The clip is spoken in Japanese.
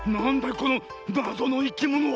このなぞのいきものは。